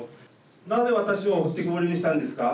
なぜ私を置いてけぼりにしたんですか。